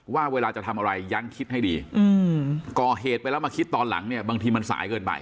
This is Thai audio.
ว่าเวลาจะทำอะไรยังคิดให้ดีก่อเหตุไปแล้วมาคิดตอนหลังเนี่ยบางทีมันสายเกินไป